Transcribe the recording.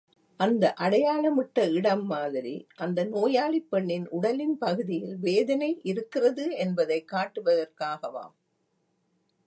அந்த அடையாளமிட்ட இடம் மாதிரி அந்த நோயாளிப் பெண்ணின் உடலின் பகுதியில் வேதனை இருக்கிறது என்பதைக் காட்டுவதற்காகவாம்.